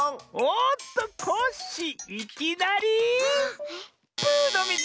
おっとコッシーいきなりブーのミズ！